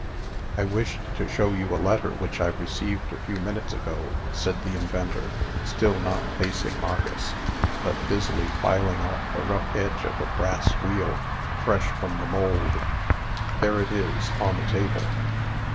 "I wished to show you a letter which I received a few minutes ago," said the inventor, still not facing Marcus, but busily filing off the rough edge of a brass wheel fresh from the mould. "There it is, on the table."